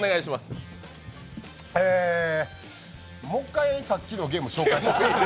もう一回、さっきのゲーム紹介しても？